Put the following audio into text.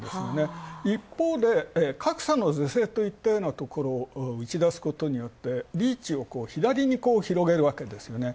一方で格差の是正といったところを打ち出すことによってリーチを左に広げるわけですよね。